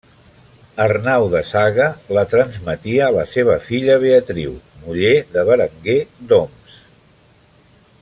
Arnau de Saga la transmetia a la seva filla Beatriu, muller de Berenguer d'Oms.